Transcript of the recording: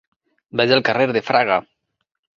Vaig al carrer de Fraga.